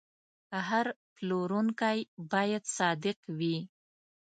هر پلورونکی باید صادق وي.